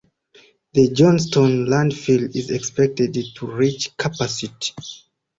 The Johnston landfill is expected to reach capacity